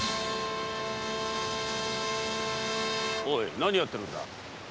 おい何やってるんだ？